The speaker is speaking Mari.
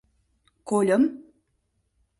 — Кольым